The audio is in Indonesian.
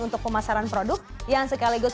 untuk pemasaran produk yang sekaligus